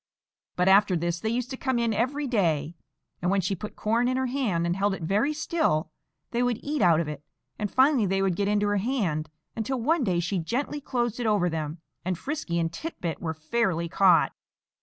But after this they used to come in every day, and when she put corn in her hand and held it very still they would eat out of it; and finally they would get into her hand, until one day she gently closed it over them, and Frisky and Tit bit were fairly caught.